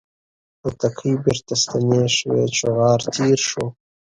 توتکۍ بیرته ستنې شوې چغار تیر شو